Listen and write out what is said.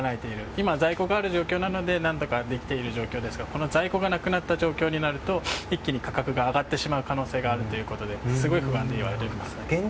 今、在庫があるので何とかできている状況ですが在庫がなくなった状況になると一気に価格が上がってしまう可能性があるので不安定です。